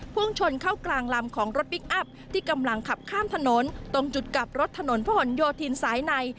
พุ่งชนเข้ากลางลำของรถพลิกอัพที่กำลังขับข้ามถนนตรงจุดกลับรถถนนพระหลโยธินสายใน